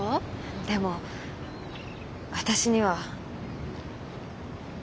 でも私には。